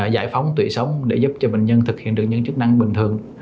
giải phóng tủy sống để giúp cho bệnh nhân thực hiện được những chức năng bình thường